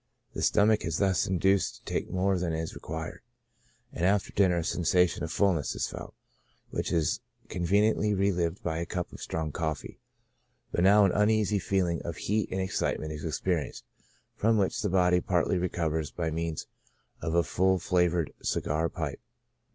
The stomach is thus induced to take more than is required, and after dinner a sensation of fulness is felt, which is conveniently relieved by a cup of strong coffee ; but now an uneasy feeling of heat and excitement is experienced, from which the body partly re covers by means of a full flavored cigar or a pipe.